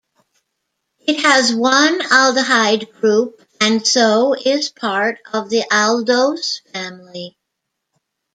It has one aldehyde group, and so is part of the aldose family.